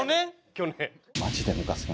去年。